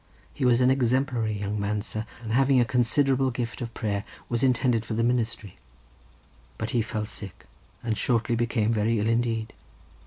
He was an exemplary young man, sir, and having a considerable gift of prayer, was intended for the ministry; but he fell sick, and shortly became very ill indeed.